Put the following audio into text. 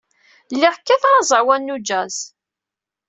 Lliɣ kkateɣ aẓawan n ujazz.